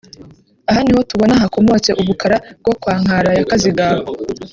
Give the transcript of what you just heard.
Aha niho tubona hakomotse ubukara bwo kwa Nkara ya Kazigaba